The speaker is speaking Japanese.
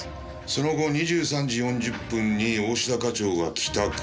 その後２３時４０分に大信田課長が帰宅。